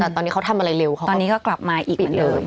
แต่ตอนนี้เขาทำอะไรเร็วเขาก็ปิดเลย